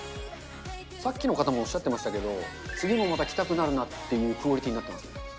さっきの方もおっしゃってましたけど、次もまた来たくなるなっていうクオリティーになってますね。